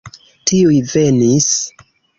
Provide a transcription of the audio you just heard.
Tiuj venis.